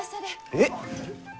えっ！